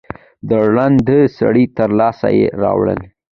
د ړانده سړي تر لاسه یې راوړی